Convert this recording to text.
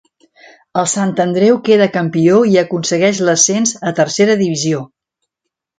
El Sant Andreu queda campió i aconsegueix l'ascens a Tercera Divisió.